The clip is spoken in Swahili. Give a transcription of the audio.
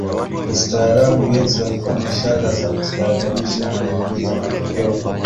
ustaarabuYesu alifanya ishara za kustaajabisha au miujiza Matokeo ni